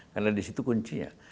karena disitu kuncinya